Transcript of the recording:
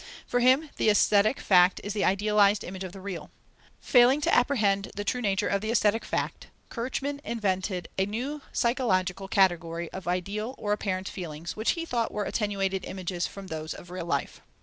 For him the aesthetic fact is the idealized image of the real. Failing to apprehend the true nature of the aesthetic fact, Kirchmann invented a new psychological category of ideal or apparent feelings, which he thought were attenuated images from those of real life.